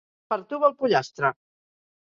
Per tu va el pollastre!